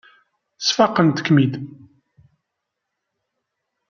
Sfaqent-kem-id.